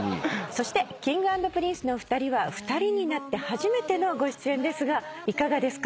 そしてＫｉｎｇ＆Ｐｒｉｎｃｅのお二人は２人になって初めてのご出演ですがいかがですか？